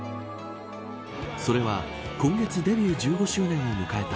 それは、今月デビュー１５周年を迎えた